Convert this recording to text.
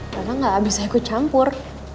karena gak bisa aku campur